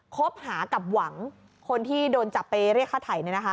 คบหากับหวังคนที่โดนจับไปเรียกค่าไถ่